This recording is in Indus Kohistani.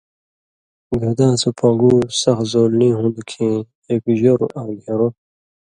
گھداں سو پنگُو سخ زولنی ہُوندوۡ کھیں ایک ژروۡ آں گھېن٘رو